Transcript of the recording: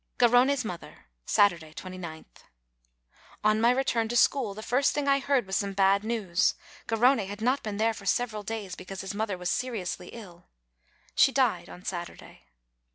GARRONE'S MOTHER Saturday, 29th. On my return to school, the first thing I heard was some bad news. Garrone had not been there for GARRONE'S MOTHER 235 several days because his mother was seriously ill. She died on Saturday.